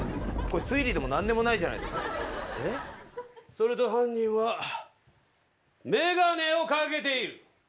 それと犯人は眼鏡をかけている。